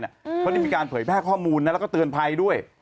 เขาได้มีการเผยแพร่ข้อมูลแล้วก็เตือนภัยด้วย